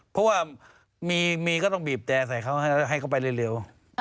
เพราะว่ามีก็ต้องบีบแต่ใส่เขาให้เขาไปเร็ว